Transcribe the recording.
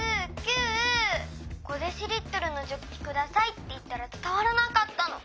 『５ｄＬのジョッキください』っていったらつたわらなかったの。